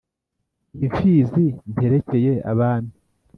Iyi Mfzi nterekeye Abami